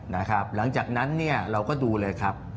นะครับหลังจากนั้นเราก็ดูเลยครับ